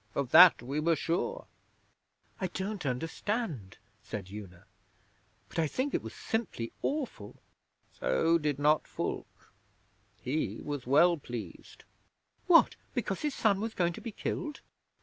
Of that we were sure.' 'I don't understand,' said Una. 'But I think it was simply awful.' 'So did not Fulke. He was well pleased.' 'What? Because his son was going to be killed?'